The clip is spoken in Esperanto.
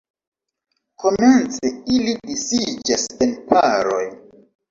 Komence ili disiĝas en paroj.